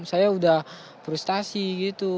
saya sudah frustasi gitu